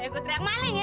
ego teriak maling ya